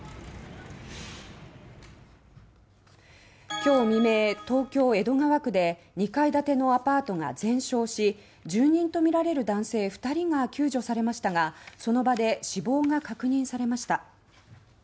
今日未明、東京江戸川区で２階建てのアパートが全焼し住人とみられる男性２人が救助されましたがその場で死亡が確認されました。